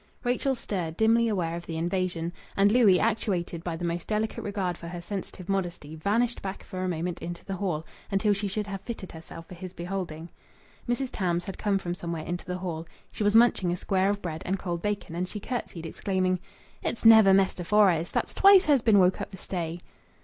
Rachel stirred, dimly aware of the invasion. And Louis, actuated by the most delicate regard for her sensitive modesty, vanished back for a moment into the hall, until she should have fitted herself for his beholding. Mrs. Tams had come from somewhere into the hall. She was munching a square of bread and cold bacon, and she curtsied, exclaiming "It's never Mester Fores! That's twice her's been woke up this day!"